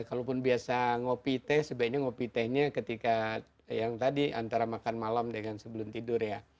kalaupun biasa ngopi teh sebaiknya ngopi tehnya ketika yang tadi antara makan malam dengan sebelum tidur ya